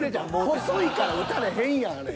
細いから打たれへんやんあれ。